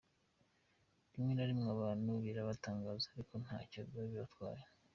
Rimwe na rimwe abantu birabatangaza ariko ntacyo biba bibatwaye.